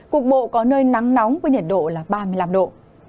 cục bộ có nơi nắng nóng với nhiệt độ là ba mươi năm độ